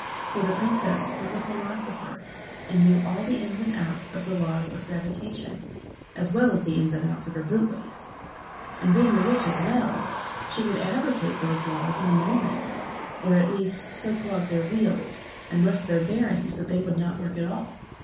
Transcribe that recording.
For the princess was a philosopher, and knew all the ins and outs of the laws of gravitation as well as the ins and outs of her boot lace. And being a witch as well, she could abrogate those laws in a moment; or at least so clog their wheels and rust their bearings that they would not work at all.